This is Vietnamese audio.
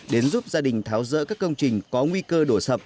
đến giúp gia đình tháo rỡ các công trình có nguy cơ đổ sập